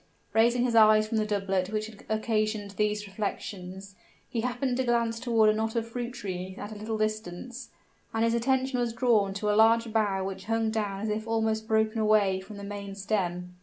Raising his eyes from the doublet which had occasioned these reflections, he happened to glance toward a knot of fruit trees at a little distance; and his attention was drawn to a large bough which hung down as if almost broken away from the main stem.